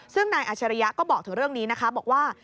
ซึ่งนายอัชริยะก็บอกถึงเรื่องนี้นะคะบอกว่า